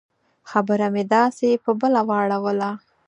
خبره مې داسې په بله واړوله.